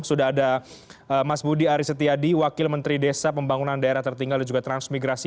sudah ada mas budi aris setiadi wakil menteri desa pembangunan daerah tertinggal dan juga transmigrasi